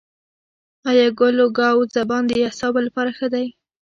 آیا ګل ګاو زبان د اعصابو لپاره نه دی؟